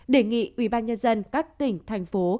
đề nghị ubnd các tỉnh thành phố